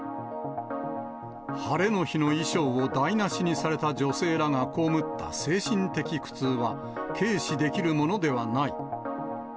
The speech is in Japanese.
晴れの日の衣装を台なしにされた女性らが被った精神的苦痛は、軽視できるものではない。